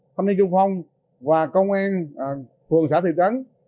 thông tin chung phong và công an phường xã thị trấn